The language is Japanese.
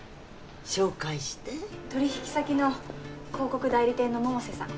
紹介して取引先の広告代理店の百瀬さん